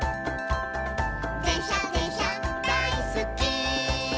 「でんしゃでんしゃだいすっき」